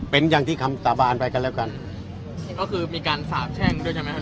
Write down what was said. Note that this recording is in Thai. เป็นอย่างที่คำสาบานไปกันแล้วกันก็คือมีการสาบแช่งด้วยใช่ไหมครับ